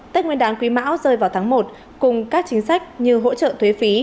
tết nguyên đáng quý mão rơi vào tháng một cùng các chính sách như hỗ trợ thuế phí